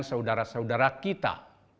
sebagian saudara saudara kita